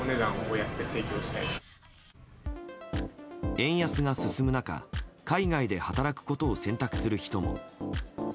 円安が進む中、海外で働くことを選択する人も。